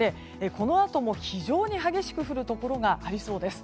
このあとも非常に激しく降るところがありそうです。